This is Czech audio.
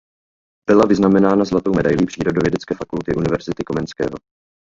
Byla vyznamenána Zlatou medailí Přírodovědecké fakulty Univerzity Komenského.